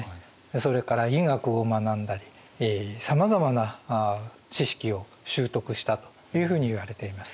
それから医学を学んだりさまざまな知識を習得したというふうにいわれています。